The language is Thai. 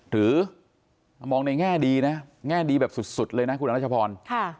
หรือมองในแง่ดีนะแง่ดีแบบสุดเลยนะคุณอรัชพร